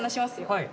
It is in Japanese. はい。